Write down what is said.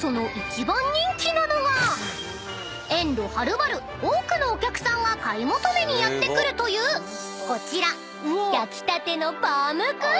［遠路はるばる多くのお客さんが買い求めにやって来るというこちら！］